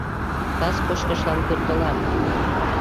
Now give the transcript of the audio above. — Кас кочкышлан пӧртылам.